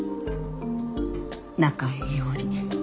中江伊織。